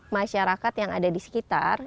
masyarakat yang ada di sekitar